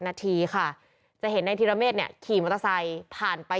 นาทีค่ะจะเห็นนายธิรเมฆเนี่ยขี่มอเตอร์ไซค์ผ่านไป